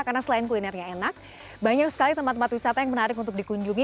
karena selain kulinernya enak banyak sekali tempat tempat wisata yang menarik untuk dikunjungi